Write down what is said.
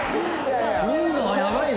見るのはやばいですよ。